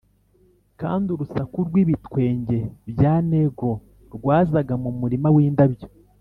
kandi urusaku rw’ibitwenge bya negro rwazaga mu murima w’indabyo.